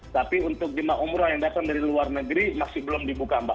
tapi untuk jemaah umroh yang datang dari luar negeri masih belum dibuka mbak